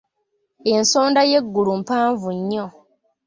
Ensonda y’eggulu mpanvu nnyo.